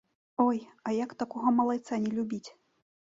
Ой, а як такога малайца не любіць?